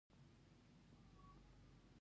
زه اوس خپله ځان ورسره بلدوم.